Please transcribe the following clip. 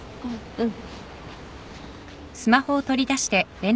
うん。